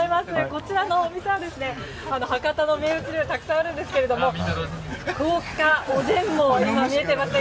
こちらのお店は博多の名物料理がたくさんあるんですけど豪華おでんも見えていますか？